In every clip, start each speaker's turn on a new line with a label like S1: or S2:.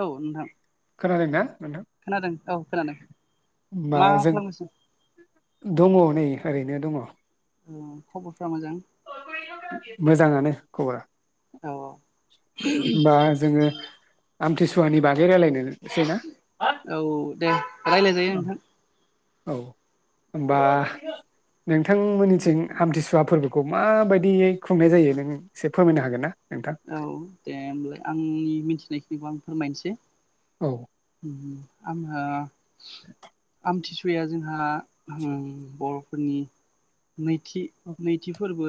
S1: औ नोंथां।
S2: खोनादों ना?
S1: खोनादों औ खोनादों
S2: होमबा
S1: मा
S2: जों
S1: खालामनोसै
S2: दङ नै ओरैनो दङ।
S1: खबरफ्रा मोजां?
S2: मोजाङानो खबरा।
S1: औ
S2: बा जोङो आमथिसुवानि बाग गै जरायलायनोसै ना?
S1: औ दे रायज्लायजायो नोंथां
S2: औ।
S1: औ
S2: बा नोंथांमोननिथिं आमथिसुवा फोर्बोखौ माबायदियै खुंनाय जायो नों एसे फोरमायनो हागोन ना? नोंथां
S1: औ दे होमबालाय आंनि मिथि नायखिनिखौ आं फोरमायनोसै
S2: औ
S1: आङो आमथिसुया जों दा ओ बर'फोरनि नैथि नैथि फोरबो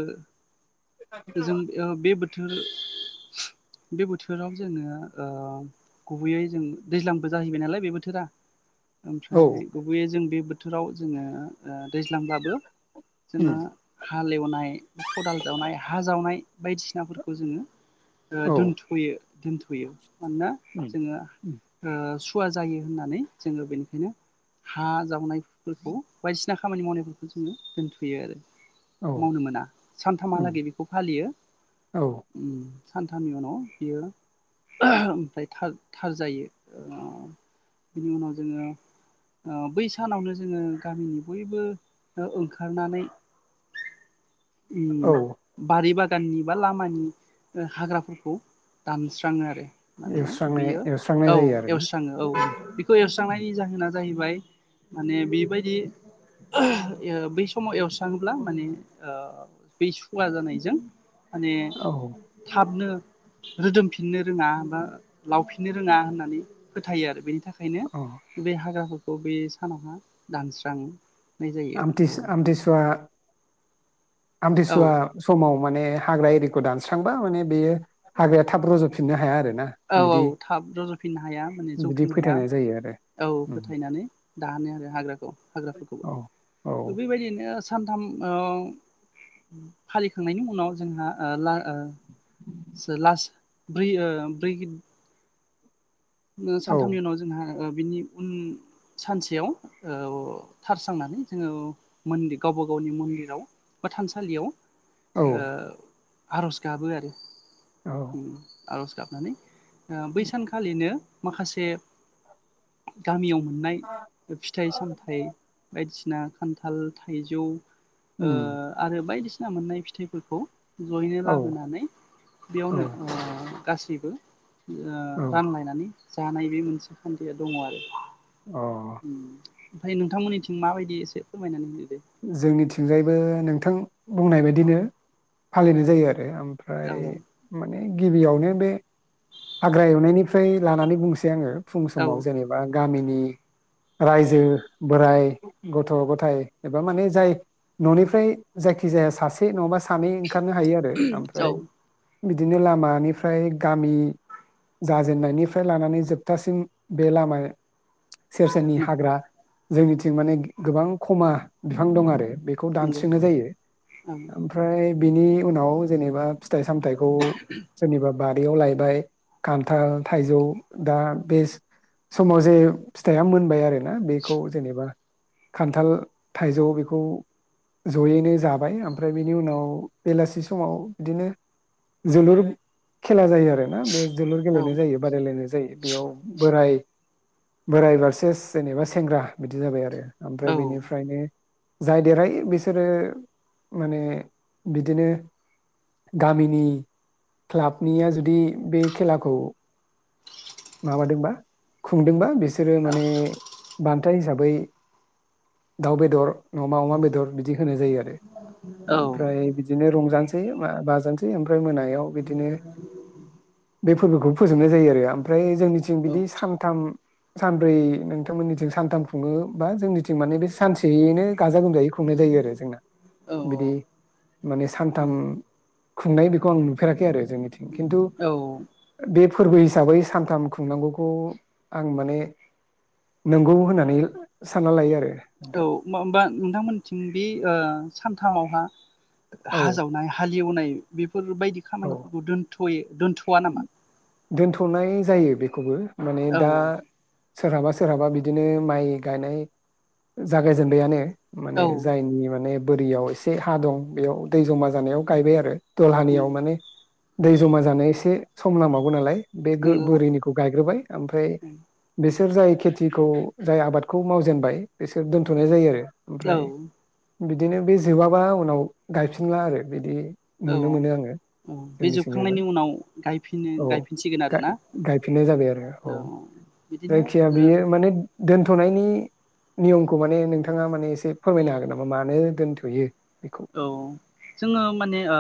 S1: जों ओ बे बो थोर-बे थोराव जोङो ओ गुबैयै जों दैज्लांबो जाहैबाय नालाय बे बोथोरा
S2: औ
S1: ओमफ्राय गुबैय जों बे बोथोराव जोङो ओ दैज्लांब्लाबो
S2: उम
S1: जोङो हालेवनाय खदाल जावनाय हा जावनाय बायदिसिनाफोरखौ जोङो ओ
S2: औ
S1: दोनथ'यो दोनथ'यो मानोना
S2: उम
S1: जोङो
S2: उम
S1: ओ सु वा जायो होननानै जोङो बेनिखायनो हा जावनायफोरखौ बायदिसिना खामानि मावनायफोरखौ जोङो दोनथ'यो आरो।
S2: औ
S1: मावनो मोना
S2: उम
S1: सानथामहालागै फालियो
S2: औ
S1: ओम सानथामनि उनाव बियो ओमफ्राय थार थार जायो बिनि उनाव जोङो ओ बै सानावनो जोङो गामिनि बयबो ओंखारनानै उम
S2: औ
S1: बारि बा गाननि बा लामानि हाग्राफोरखौ दानस्राङो आरो माने
S2: एवस्रांनाय
S1: बेयो
S2: एवस्रांनाय
S1: औ
S2: जायो आरोना
S1: एवस्राङो औ
S2: उम
S1: बेखौ
S2: उम
S1: एवस्रांनायनि जाहोना जाहैबाय माने बेबायदि ओ बै समाव एवस्राङोब्ला माने ओ बै सुवा जानायजों माने
S2: औ
S1: थाबनो रोदोमफिननो रोङा बा लावफिननो रोङा होननानै फोथायो आरो बेनि थाखायनो
S2: औ
S1: बे हाग्राखौ ब' बे सानावहा दानस्राङो
S2: आमथि सु- आमथिसुवा
S1: औ
S2: आमथिसुवा समाव माने हाग्रा एरिखौ दानस्रांबा माने बेयो हाग्राया थाब रज'फिननो हाया आरो
S1: औ औ थाब रजाफिननो हाया माने
S2: बिदि
S1: जौफिननो हाया
S2: फोथायनाय जायो आरो
S1: औ
S2: उम,
S1: फोथायनानै दानो आरो हाग्राखौ हाग्राफोरखौ
S2: औ औ
S1: [unintelligible] बिबायदिनो सानथाम ओ फालिखांनायनि उनाव जोंहा ओ ला ओ सो लासो बै ओ बेखिनि [unintelligible]
S2: औ
S1: सानथामनि उनाव जोंहा ओ बिनि उन सानसेयाव औ थारसांनानै जोङो मौनदि गावबा गावनि मन्दिराव बा थानसालियाव
S2: औ
S1: ओ आर'ज गाबो आरो
S2: औ
S1: उम आरज गाबनानानै ओ बै सानखालिनो माखासे गामियाव मोन मोननाय फिथाइ सामथाय बायदिसिना बिना खान्थाल थाइजौ ओ
S2: उम,
S1: आरो बायदिसि हानना मोननाय फिथाइफोरखौ जयैनो
S2: औ
S1: लाबोनानै
S2: औ
S1: बेयावनो ओ गासैबो ओ
S2: औ
S1: रानलायनानै जानाय बे मोनसे खान्थिया दङ आरो
S2: अ ।
S1: उम ओमफ्राय नोंथांमोननिथिं माबायदि एसे फोरमायनानै हो
S2: जोंनिथिंजायबो नों नोंथां बुंनाय बायदिनो फालिनाय जायो आरो आरो ओमफ्राय
S1: औ
S2: माने गिबियावनो बे हाग्रा एवनायनिफ्राय लानानै बुंसै आङो फुं समाव
S1: औ
S2: जेनेबा गामिनि रायजो बोराइ गथ' ग'थाय एबा माने जाय न'निफ्राय जायखि जाया सासे नङाबा सानै ओंखारनो हायो आरो
S1: औ
S2: ओमफ्राय बिदिनो लामानिफ्राय गामि जाजेननायनिफ्राय लानानै जोबथासिम बे लामाय सेर सेरनि हाग्रा जोंनिथिं माने गोबां खमा बिफां दं आरो बेखौ
S1: नंगौ
S2: दानस्रिनाय जायो
S1: औ
S2: ओमफ्राय बिनि उनाव जेनेबा फि फिथाइ सामथाइखौ सोरनिबा बारियाव लायबाय। खान्थाल, थाइजौ दा बे समाव जे फिथाइया मोनबाय आरो ना बेखौ जेनेबा खान्थाल, थाइजौ बेखौ जयैनो जाबाय ओमफ्राय बेनि उनाव बेलासि समाव बिदिनो जोलुर खेला जायो आ रो ना बे जोलुर
S1: औ
S2: गेलेनाय जायो बादायलायनाय जायो बेयाव बोराय बोराय बारसेस जेनेबा सेंग्रा बिदि जाबाय आरो। ओमफ्राय
S1: औ
S2: बेनिफ्रायनो जाय देरहायो बिसोरो माने बिदिनो गामिनि क्लाबनिया जुदि बे खेलाखौ माबादोंबा खुंदोंबा बेस सोरो माने बां थाइ हिसाबै दाउ बेदर नङाबा अमा बेदर बिदि होनाय जायो आरो
S1: औ
S2: ओमफ्राय बिदिनो रंजानोसै बा बाजानो सै आम फ्राय मोनायाव बिदिनो बे फोरबोखौ फोजोबनाय जायो आरो। फ्राय जोंनिथिं
S1: औ
S2: बिदि सानथाम सानब्रै नोंथांमोननिथिं सानथाम खुङो बा जोंनिथिं माने बे सानसे एयैनो गाजा गोमजायै खुंनाय जायो आरो जोंना बिदि माने सानथाम खुंनाय बेखौ आं नुफेराखै आरो जोंनिथि खिन्थु बेब फोरबो हिसाबै सानथाम खुंनांगौखौ आं माने नोंगौ होननानै सानना लायो आरो।
S1: औ
S2: नोंथां
S1: मामबा नोंथांमोनथिं बे ओ सानथामावहा
S2: औ
S1: हा जावनाय हाल एवनाय बिब फोरबायदि
S2: औ
S1: खामानिफोरखौ दोनथ'यो दोनथ'
S2: दोनथ'नाय नाय जायो बेखौबो। माने
S1: औ
S2: दा
S1: औ
S2: सोरहाबा सोरहाबा बिदिनो माइ गायनाय जागायजेनबायानो।
S1: औ
S2: माने जायनि माने बोरियाव एसे हा दं बेयाव दै जमा जानायाव गायबाय आरो। दलहानियाव माने दै जमा जानो एसे एसे सम नांबावगौ नालाय। बे गो
S1: नंगौ
S2: बोरिनिखौ गायग्रोबाय ओमफ्राय
S1: नंगौ
S2: बेस बुरजायै खेथिखौ जाय आबादखौ मावजेनबाय एसे दोन्थ'नाय जायो आरो
S1: औ
S2: ओमफ्राय बिदिनो बे जोबाबा उनाव गायफिनला आरो बिदि
S1: औ
S2: नुनो मोनो आङो
S1: औ बे
S2: जोंनिथिंजायबो
S1: जोबखांनायनि उनाव गायफिनो
S2: औ
S1: गायफिनसिगोन आरोना
S2: गायफिननाय जाबाय आरो औ
S1: बिदिनो
S2: जायखिया
S1: ओ
S2: बेयो माने दोनथ'नायनि नियमखौ माने नोंथाङा माने एसे फोरमायनो हागोन नामा मानो दोन्थ'यो?
S1: औ जोङो माने ओ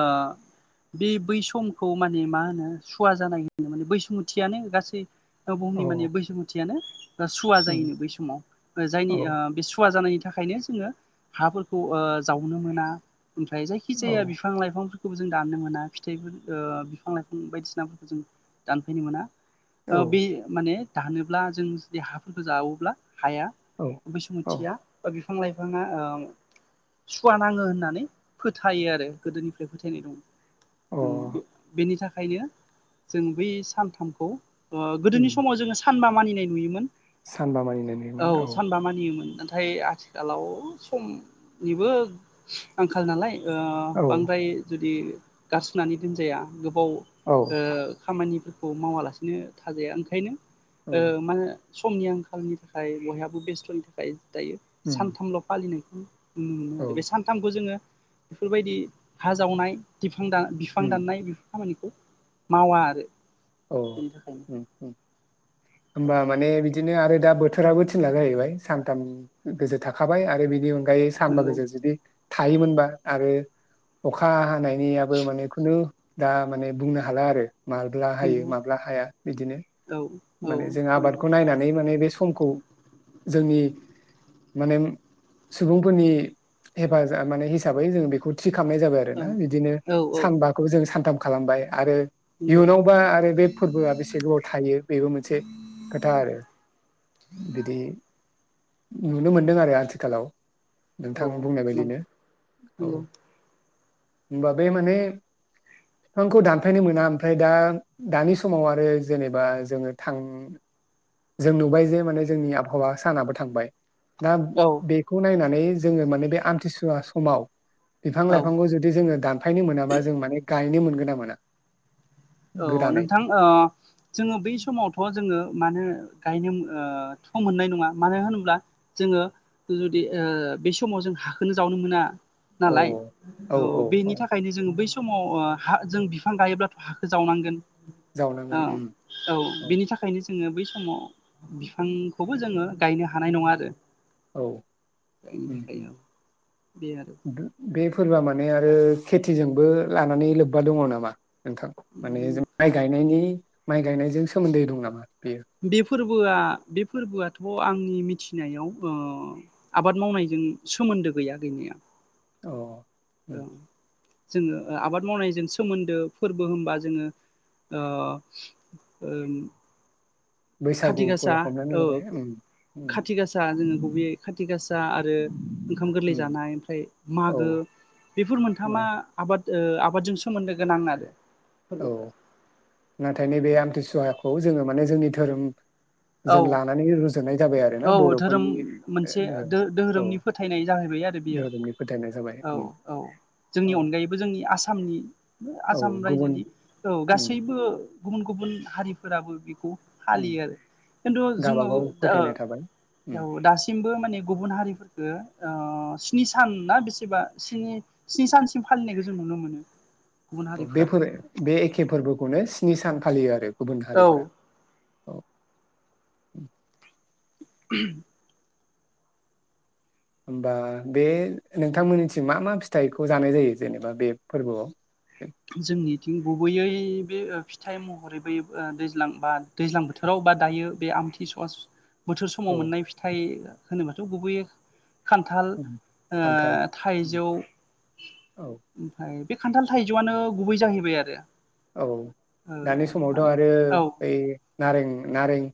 S1: बे बै समखौ माने मा होनो सुवा जानाय होनो माने बैसुमुथियानो गासै औ बुहुमनि
S2: औ
S1: माने बैसुमुथियानो सुवा
S2: उम
S1: जायोनो बै समाव जायनि
S2: औ
S1: बे सुवा जानाय थाखायनो जोङो हाफोरखौ जावनो मोना ओमफ्राय जायखि
S2: औ
S1: जाया बिफां लाइफां खौ जों दाननो मोना फिथाइफोरखौ बिफां लाइफां बायदिसिनाफोरखौ जों दानफाइनो मोना। औ बे माने दानोब्ला जों जुदि हाफोरखौ जावोब्ला हाया
S2: औ
S1: बैसुमुथिया बिफां लाइफाङा सुवा नाङो होननानै फोथायो आरो गोदोनिफ्राय फोथायनाय दं।
S2: अ
S1: ओं बे बेनि थाखाय ओंखायनो जों बै सानथामखौ ओ
S2: उम
S1: गोदोनि समाव जोङो सानबा मानिनाय नुयोमोन।
S2: सानबा मानिनाय नुयोमोन औ।
S1: सानबा मानियोमोन नाथाय आथिखालाव समनिबो आंखाल नालाय ओ
S2: औ
S1: बांद्राय जुदि गारसोननानै दोनजाया गोबाव
S2: औ
S1: ओ खामानि खौ मावालासिनो थाजाया ओंखायनो
S2: औ
S1: ओ मा समनि आंखालनि थाखाय बयहाबो बेस्थ'नि थाखाय दायो
S2: उम
S1: सानथामल' फालिनाय [inaudible]
S2: औ
S1: उम बे सानथाम जोङो बेफोर बादि हा जावनाय दिब बिफां दा बिफां
S2: उम
S1: दाननाय बि खामानिखौ मावा आरो
S2: अ
S1: बेनि थाखायनो
S2: उम उम
S1: औ
S2: होमबा माने बिदिनो आरो दा बोथोराबो थिनला जाहैबाय सानथाम गोजोर थाखाबाय आरो बिनि अनगायै गायै सामबा
S1: नंगौ
S2: गोजौ जुदि थायोमोनबा आरो अखा हानाय नियाबो माने खुनु दा माने बुंनो हाला आरो मा हायो
S1: नंगौ
S2: माब्ला हाया बिदिनो
S1: औ औ
S2: माने जों आबादखौ
S1: नंगौ
S2: नायनानै माने बे समखौ जोंनि माने सुबुंफोरनि हेफाजाब माने हिसाबै जोङो बेखौ थि खालामनाय जाबाय आरो ना बिदिनो
S1: औ औ
S2: सानबाखौ जों सानथाम खालामबाय आरो
S1: नंगौ
S2: इयुनावबा आरो बे फोरबोआ बेसे गोबाव थायो? बेबो मोनसे खोथा आरो बिदि नुनो मोनदों आरो आथिखालाव
S1: औ
S2: नोंथां बुंनाय
S1: नंगौ
S2: बायदिनो औ
S1: नंगौ
S2: होमबा बे माने बिफांखौ दानफायनो मोना ओमफ्राय दा दानि समाव आरो जेनेबा जोङो थां जों नुबाय जे माने जोंनि आबहावा सानाबो थांबाय। दा
S1: औ
S2: बेखौ नायना नै जोङो माने बे आमथिसुवा समाव बिफां
S1: औ
S2: लाइफांखौ जुदि जोङो दानफायनो मोनाबा जों माने गायनो मोन मोना मोना
S1: औ
S2: गोदानै
S1: नोंथां ओ जोङो बै समावथ' जोङो मानो गायनो ओ थ' मोननाय नङा मानो होनोब्ला जोङो जुदि ओ बे समाव जों हाखोनो जावनो मोना।
S2: औ
S1: नालाय औ बेनि थाखायनो जोङो बैस समाव ओ हा जों बिफां गायोब्लाथ' हा जावनांगोन। ओ
S2: जावनांगोन उम
S1: औ बेनि थाखायनो जों जोङो बै समाव बिफांखौबो जोङो गायनो हानाय नङा आरो
S2: औ
S1: गायनो
S2: उम
S1: थाखाय
S2: उम
S1: औ बे आरो
S2: गो बे फोरबोआ मान ने आरो खेथिजोंबो लानानै लोब्बा दङ नामा नोंथां माने जों माइ गायनायनि माइ गायनायजों सोमोन्दै दं नामा बेयो
S1: बे फोरबोआ बे फोरबोआथ आंनि मिथिनायाव ओ आबाद मावनायजों सोमोन्दो गैया गैनाया
S2: अ उम
S1: औ जोङो आबाद मावनायजों सोमोन्दो फोरबो होनबा जोङो ओ ओम खाथि
S2: बैसागुखौल
S1: गासा
S2: हमनानै
S1: औ
S2: लाबाय उम उम
S1: खाथि गासा जोङो गुबैयै खाथि गासा आरो ओंखाम गोरलै
S2: उम
S1: जानाय ओमफ्राय
S2: औ
S1: मागो बेफोर
S2: मा
S1: मोनथामा आबाद ओ आबादजों सोमोन्दो गोनां आरो
S2: औ
S1: फोरबोफोरा
S2: नाथाय नैबे आमथिसुवाखौ जोङो माने जोंनि धोरोम
S1: औ
S2: जों लानानै रुजुनाय जाबाय आरोना
S1: औ धोरोम
S2: बर'फोरनि
S1: मोनसे दों
S2: ओ
S1: दोहोरोमनि
S2: औ
S1: फोथायनाय जाहैबाय आरो बियो
S2: धोरोमनि फोथायनाय जाबाय
S1: औ
S2: उम
S1: औ जोंनि
S2: औ
S1: अनगायैबो जोंनि आसामनि
S2: औ
S1: आसाम
S2: गुबुन
S1: रायजोनि औ
S2: उम
S1: गासैबो गुबुन गुबुन हारिफोराबो बेखौ
S2: उम
S1: फालियो आरो खिन्थु जोङो
S2: गावबागाव फोथायनाय थाबाय उम
S1: औ दासिमबो माने गुबुन हारिफोरफोरखो ओ स्नि सान ना बेसेबा सिनि स्नि सानसिम फालिनायखौ जों नुनो मोनो गुबुन हारिफ्रा
S2: बेफोर बे एखे फोरबो खौनो स्नि सान फालियो आरो गुबुन
S1: औ
S2: हारिफोरा अ ओ
S1: [unintelligible]
S2: होमबा बे नोंथांमोननिथि मा मा फिथाइखौ जानाय जायो जेनेबा बे फोरबोआव
S1: जोंनिथिं गुबैयै बे ओ फिथाइ महरै बै ओ दैज्लां बा दैज्लां बोथोराव बा दायो बे आमथि सुवास बोथोर
S2: औ
S1: समाव मोननाय फिथाइ होनोबाथ गुबोयो खान्थाल
S2: उम
S1: ओ
S2: खान्थाल उम
S1: थाइजौ
S2: औ
S1: ओमफ्राय बे खान्थाल थाय जौयानो गुबै जाहैबाय आरो ।
S2: औ दानि समावथ' आरो
S1: औ
S2: बै नारें नारें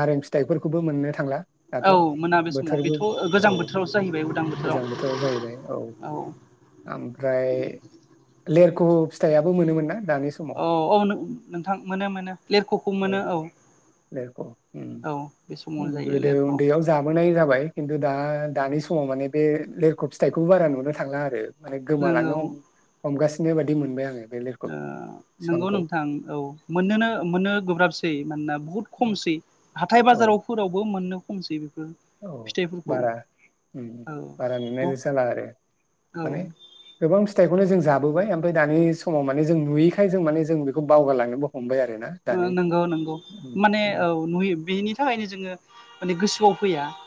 S2: नारें फिथाइफोरखौबो मोननो थांला ।
S1: औ मोना बे समाव बेथ' गोजां बोथोरावसो जाहैबाय उदां
S2: गोजां जाहैबाय औ
S1: बोथोराव औ
S2: ख' फिथाइआबो मोनोमोन ना? दानि समाव
S1: औ औ नोंथां मोनो मोनो लेरख'खौ मोनो औ
S2: लेरख' उम
S1: औ बे समावनो जायो लेरख'
S2: आ दा दानि समाव माने बे लेरख' फिथाइखौ बारा नुनो थांला आरो। माने गोमालांनो
S1: नोंगौ
S2: हम हमगासि बेबायदि मोनबाय आङो। बे लेरख'
S1: ओ नोंगौ
S2: बिफांखौ
S1: नोंथां औ मोननोनो मोननो गोब्राबसै मानोना बुहुद खमसै हाथाय
S2: औ
S1: बाजारावफोरावबो मोननो खमसै।
S2: औ
S1: फिथाइफोरखौ
S2: बारा उम उम
S1: औ
S2: बारा नुनाय जाला आरो माने
S1: औ
S2: गोबां फिथाइखौनो जों जाबोबाय ओमफ्राय दानि समाव माने जों नुयैखाय जों माने जों बेखौ बावगारलांनोबो हमबाय आरो।
S1: ओ नोंगौ नोंगौ माने औ नुयो बेनि थाखायनो जोङो माने गोसोआव फैया। ओ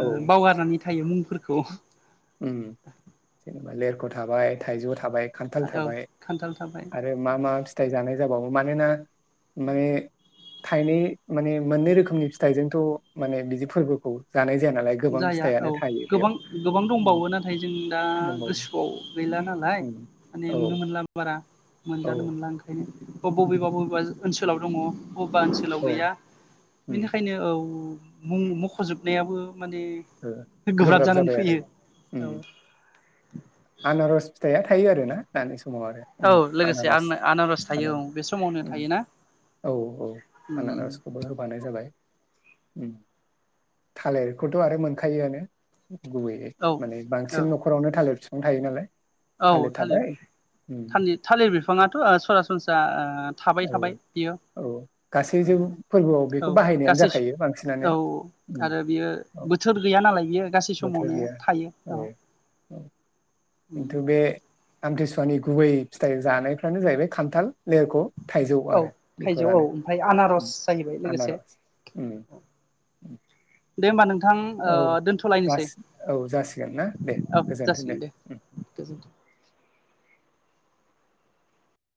S2: औ
S1: बावगारनानै थायो मुं फोरफोरखौ।
S2: उम जेनेबा लेरख' थाबाय थाइजौ थाबाय खान्थाल
S1: औ
S2: थाबाय
S1: खान्थाल थाबाय
S2: आरो मा मा फिथाइ जानाय जाबावो मानोना माने थाइनै माने मोननै रोखोमनि फिथाइजोंथ' माने बिदि फोरबोखौ जानाय जाया नालाय गोबां
S1: जाया औ
S2: फिथाइयानो थायो
S1: गोबां
S2: बेयाव
S1: गोबां
S2: उम,
S1: दंबावो नाथाय जों दा
S2: दंबावो
S1: गोसोआव गैला नालाय
S2: उम,
S1: माने
S2: औ
S1: नुनो मोनला बारा मोनजानो
S2: औ
S1: मोनला ओंखायनो । [inaudible]
S2: उम,
S1: बबेबा बबेबा जा ओनसोलाव दङ। बबेबा ओनसोलाव गैया
S2: औ उम,
S1: बेनिथाखायनो औ। मुं मख'जोबनायाबो माने
S2: ओ
S1: गोब्राब जानानै
S2: जाबाय आरो
S1: फैयो
S2: उम
S1: औ।
S2: आनारस फिथाइया थायो आरो ना दानि स समाव आरो
S1: औ
S2: उम
S1: लोगोसे
S2: आनारस
S1: आनारस थायो
S2: आरो
S1: औ बे समावनो
S2: उम
S1: थायोना
S2: औ औ आनारसखौबो होबानो जाबाय। उम थालिर ख खोथ' आरो मोनखायोआनो। गुबैयै
S1: औ
S2: माने बांसिन नखरावनो थालिर आं थायो नालाय।
S1: औ थालिर
S2: उम
S1: थालि थालिर बिफाङाथ सरासनस्रा ओ थाबाय
S2: औ
S1: थाबाय बियो
S2: औ गासैजों फोरबोआव बेखौ
S1: औ
S2: बाहायनायानो
S1: गासै
S2: जाखायो बांसिनानो
S1: औ
S2: उम
S1: आरो बियो
S2: औ
S1: बोथोर गैया नालाय बियो गासै
S2: बोथोर
S1: समावनो
S2: गैया
S1: थायो औ।
S2: औ खिन्थु
S1: उम
S2: बे आमथि मानि गुबै फिथाइ जानायफ्रानो जाहैबाय खान्थाल [unintelligible] थाइजौ
S1: औ
S2: आरो
S1: थाइजौ औ
S2: बेफोरानो
S1: ओमफ्राय आनारस
S2: उम
S1: जाहैबाय लोगोसे
S2: आनारस उम।
S1: दे होमबा नों। थां ओ
S2: औ
S1: दोनथ'लायनोसै
S2: जासि औ जासिगोन ना दे
S1: औ
S2: गोजोन्थों
S1: जासिगोन दे गोजोनथों।